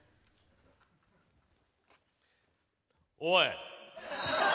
おい！